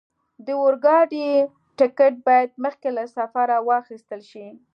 د اورګاډي ټکټ باید مخکې له سفره واخستل شي.